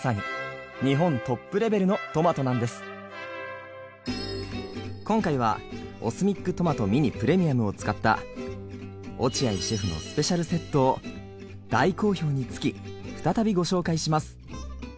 まさに今回はＯＳＭＩＣトマトｍｉｎｉＰｒｅｍｉｕｍを使った落合シェフのスペシャルセットを大好評につき再びご紹介します。